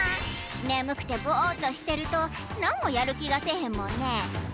ねむくてボっとしてるとなんもやるきがせえへんもんね。